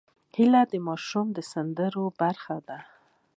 هیلۍ د ماشوم سندرو برخه ده